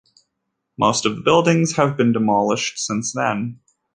Most of the buildings have been demolished since then.